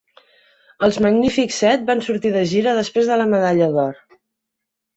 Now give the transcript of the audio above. Els Magnífics Set van sortir de gira després de la medalla d'or.